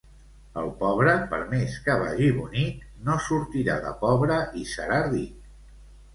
El pobre, per més que vagi bonic, no sortirà de pobre i serà ric.